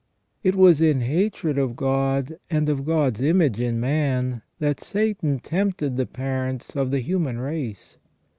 It was in hatred of God, and of God's image in man, that Satan tempted the parents of the human race.